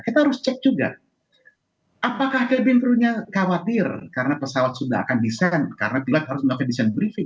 kita harus cek juga apakah cabin crew nya khawatir karena pesawat sudah akan desain karena pilot harus melakukan desain briefing